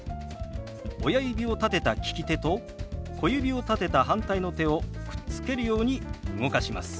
親指を立てた利き手と小指を立てた反対の手をくっつけるように動かします。